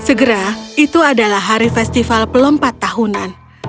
segera itu adalah hari festival pelompat tahunan